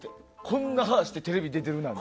こんな歯をしてテレビに出てるのが。